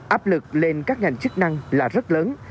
áp lực lên các ngành chức năng là rất lớn